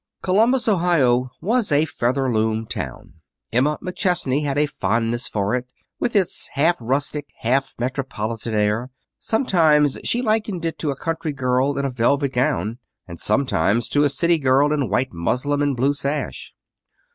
Columbus, Ohio, was a Featherloom town. Emma McChesney had a fondness for it, with its half rustic, half metropolitan air. Sometimes she likened it to a country girl in a velvet gown, and sometimes to a city girl in white muslin and blue sash.